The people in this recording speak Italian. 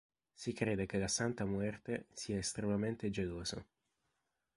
Si crede che la Santa Muerte sia estremamente gelosa.